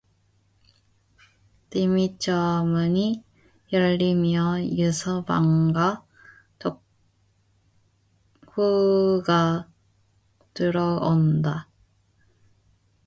뒤미처 문이 열리며 유서방과 덕호가 들어온다.